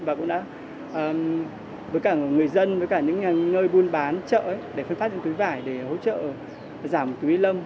và cũng đã với cả người dân với cả những nơi buôn bán chợ để phân phát những túi vải để hỗ trợ giảm túi ni lông